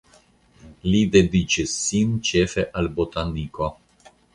Li dediĉis sin ĉefe al botaniko.